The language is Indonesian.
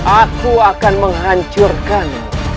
aku akan menghancurkan